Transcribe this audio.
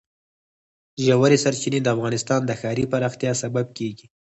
ژورې سرچینې د افغانستان د ښاري پراختیا سبب کېږي.